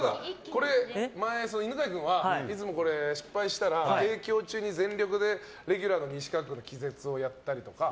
前、犬飼君はいつもこれ失敗したら提供中に全力でレギュラーの西川君の気絶をやったりとか。